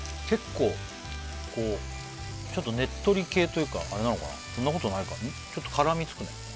結構こうちょっとねっとり系というかあれなのかなそんなことないかちょっと絡みつくね